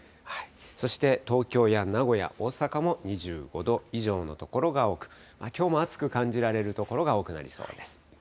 そして東京や名古屋、大阪も２５度以上の所が多く、きょうも暑く感じられる所が多くなりそうです。